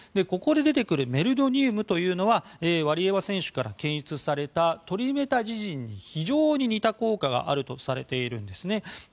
ここで出てくるメルドニウムというのはワリエワ選手から検出されたトリメタジジンに非常に似た効果があるとされているんですね。